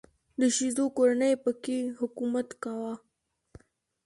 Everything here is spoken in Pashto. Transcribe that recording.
د شیزو کورنۍ په کې حکومت کاوه.